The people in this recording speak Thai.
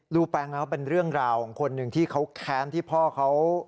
ูแปงแล้วเป็นเรื่องราวของคนหนึ่งที่เขาแค้นที่พ่อเขา